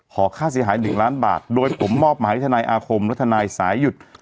ขอค่าเสียหาย๑ล้านบาทโดยผมมอบหมายให้ทนายอาคมและทนายสายหยุด